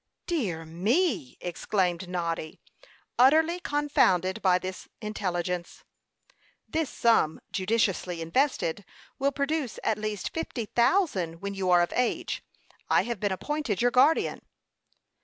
"Dear me!" exclaimed Noddy, utterly confounded by this intelligence. "This sum, judiciously invested, will produce at least fifty thousand when you are of age. I have been appointed your guardian."